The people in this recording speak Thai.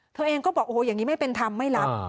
เธอเองก็บอกโอ้โหอย่างนี้ไม่เป็นธรรมไม่รับ